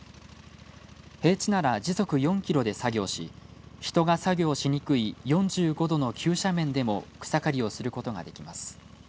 平地なら時速４キロで作業をし人が作業しにくい４５度の急斜面でも草刈りをすることができます。